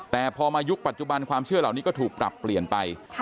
แต่พอมายุคปัจจุบันความเชื่อเหล่านี้ก็ถูกปรับเปลี่ยนไป